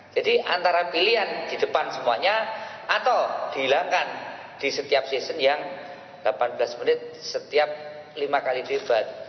jadi antara pilihan di depan semuanya atau dihilangkan di setiap season yang delapan belas menit setiap lima kali debat